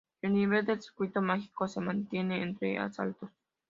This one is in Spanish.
El nivel del Circuito Mágico se mantiene entre asaltos.